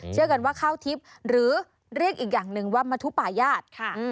เชื่อกันว่าข้าวทิพย์หรือเรียกอีกอย่างหนึ่งว่ามทุป่าญาติค่ะ